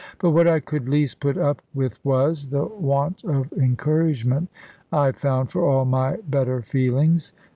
But what I could least put up with was, the want of encouragement I found for all my better feelings.